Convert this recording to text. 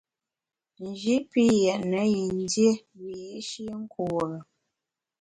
Nji pi yètne yin dié wiyi’shi nkure.